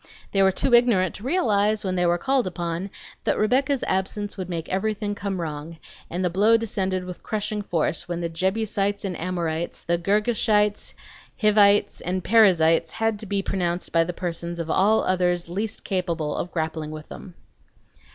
They were too ignorant to realize, when they were called upon, that Rebecca's absence would make everything come wrong, and the blow descended with crushing force when the Jebusites and Amorites, the Girgashites, Hivites, and Perizzites had to be pronounced by the persons of all others least capable of grappling with them.